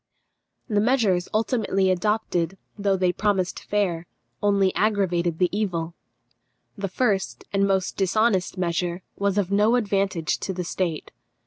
The measures ultimately adopted, though they promised fair, only aggravated the evil. The first, and most dishonest measure was of no advantage to the state.